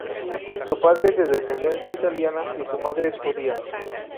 Su padre es de descendencia italiana y su madre es judía.